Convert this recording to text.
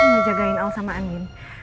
gua jagain al sama andin